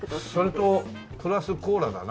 それとプラスコーラだな。